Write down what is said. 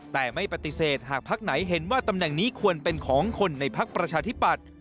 แต่ไม่ปฏิเสธหากพักไหนเห็นว่าตำแหน่งนี้ควรเป็นของคนในพักประชาธิปัตย์